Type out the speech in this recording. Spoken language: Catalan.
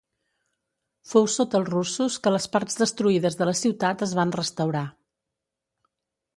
Fou sota els russos que les parts destruïdes de la ciutat es van restaurar.